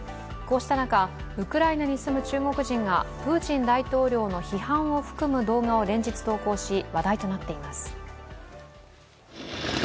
こうした中、ウクライナに住む中国人がプーチン大統領の批判を含む動画を連日投稿し、話題となっています。